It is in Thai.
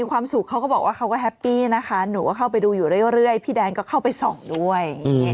ว่าเข้าไปดูอยู่เรื่อยพี่แดนก็เข้าไปส่องด้วย